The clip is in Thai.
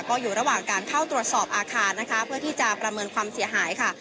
ก็อยู่ระหว่างการเข้าตรวจสอบอาคารนะคะเพื่อที่จะประเมินความเสียหายค่ะ